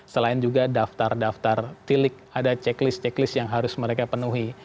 selain juga daftar daftar tilik ada checklist checklist yang harus mereka penuhi